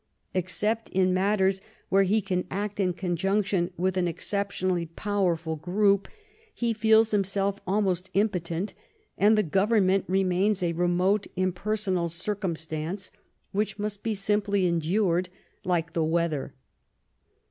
Except in matters where he can act in conjunction with an exceptionally powerful group, he feels himself almost impotent, and the government remains a remote impersonal circumstance, which must be simply endured, like the weather.